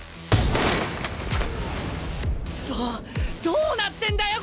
どどうなってんだよ